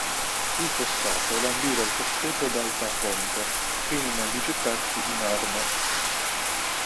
Il fossato lambiva il castello d'Altafronte prima di gettarsi in Arno.